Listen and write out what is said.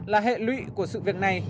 là hệ lụy của sự việc này